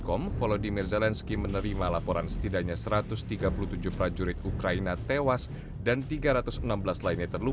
kota kota yang menembus perjalanan menjelaskan kembali ke kota